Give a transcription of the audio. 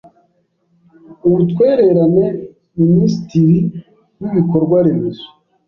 Ubutwererane Minisitiri w Ibikorwa Remezo